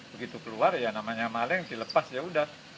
begitu keluar ya namanya maling dilepas yaudah